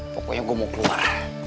pokoknya gue mau keluar